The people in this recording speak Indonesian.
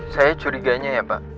saya curiganya ya pak